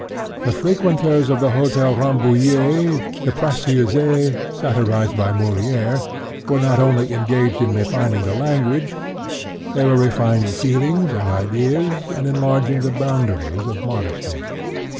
The frequenters of the Hotel Rambouillet, the précieuses satirized by Molière, were not only engaged in refining the language; they were refining feelings and ideas and enlarging the boundaries of modesty.